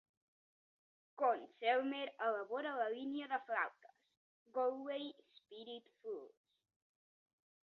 Conn-Selmer elabora la línia de flautes, "Galway Spirit Flutes".